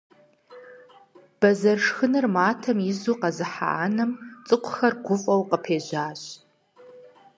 Бэзэр шхыныр матэм изу къэзыхьа анэм цӀыкӀухэр гуфӀэу къыпежьащ.